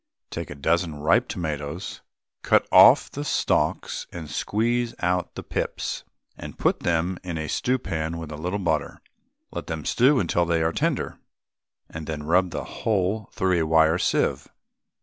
Take a dozen ripe tomatoes, cut off the stalks, and squeeze out the pips, and put them in a stew pan with a little butter, and let them stew till they are tender, and then rub the whole through a wire sieve.